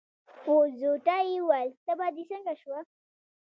په زوټه يې وويل: تبه دې څنګه شوه؟